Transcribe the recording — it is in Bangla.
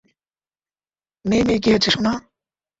মেই-মেই, কী হচ্ছে সোনা?